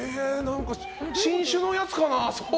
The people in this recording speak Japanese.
新種のやつかな？